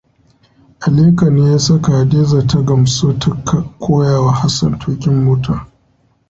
Aliko ne ya saka Hadiza ta gamsu ta koyawa Hassan tukin mota.